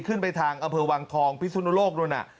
ขึ้นไปทางอำเภอวางทองพิษุนโลกด้วยนะ